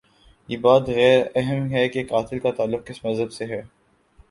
یہ بات غیر اہم ہے کہ قاتل کا تعلق کس مذہب سے ہے۔